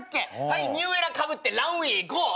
はいニューエラかぶってランウェイへゴー。